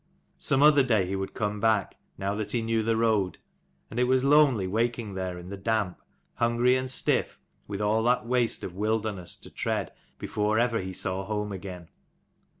Some other day he would come back, now that he knew the road. And it was lonely waking there in the damp, hungry and stiff, with all that waste of wilderness to tread before ever he saw home again.